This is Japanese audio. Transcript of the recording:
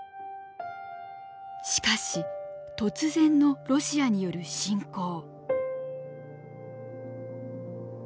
しかし突然のロシアによる侵攻。